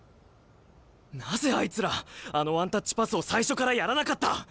なぜあいつらあのワンタッチパスを最初からやらなかった！？